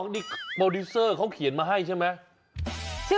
นี่โปรดิวเซอร์เขาเขียนมาให้ใช่ไหม